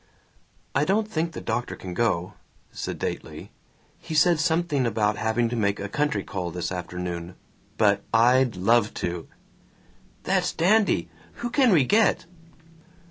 "I don't think the doctor can go," sedately. "He said something about having to make a country call this afternoon. But I'd love to." "That's dandy! Who can we get?"